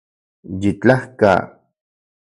Yitlajka